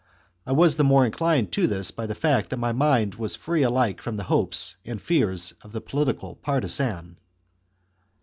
I was the more inclined to this by the fact that my mind was free alike from the hopes and fears of the political partisan.